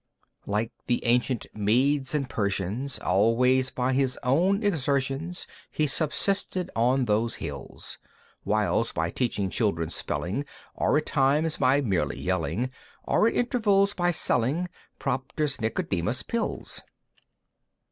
III. Like the ancient Medes and Persians, Always by his own exertions He subsisted on those hills; Whiles, by teaching children spelling, Or at times by merely yelling, Or at intervals by selling "Propter's Nicodemus Pills."